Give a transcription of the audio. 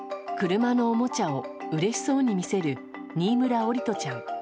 車のおもちゃをうれしそうに見せる、新村桜利斗ちゃん。